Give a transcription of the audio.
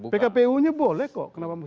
pkpu nya boleh kok